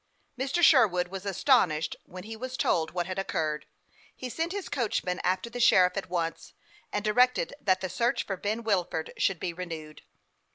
Mr. Sherwood was astonished when he was told what had occurred. He sent his coachman after the sheriff at once, and directed that the search for Ben Wilford should be renewed.